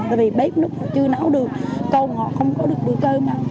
tại vì bếp nước họ chưa nấu được cơm họ không có được bữa cơm